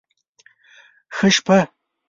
ښه شپه